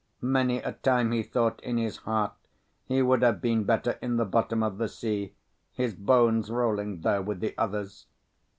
Many a time he thought in his heart he would have been better in the bottom of the sea, his bones rolling there with the others.